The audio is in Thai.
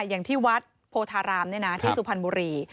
อย่างที่วัดโพธารามที่สุพรรณบุรี